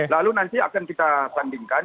lalu nanti akan kita bandingkan